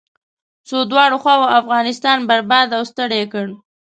څو دواړو خواوو افغانستان برباد او ستړی کړ.